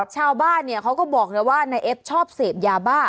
ชาวบ้านเขาก็บอกเลยว่านายเอฟชอบเสพยาบ้า